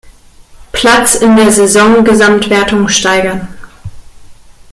Platz in der Saison-Gesamtwertung steigern.